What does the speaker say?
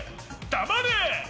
黙れ！